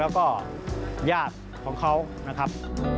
แล้วก็ญาติของเขานะครับ